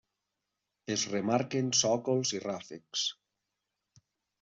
Es remarquen sòcols i ràfecs.